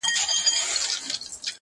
• په دریاب کي پاڅېدل د اوبو غرونه,